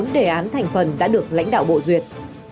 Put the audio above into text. bốn đề án thành phần đã được lãnh đạo bộ duyệt